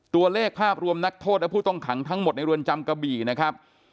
ภาพรวมนักโทษและผู้ต้องขังทั้งหมดในเรือนจำกระบี่นะครับ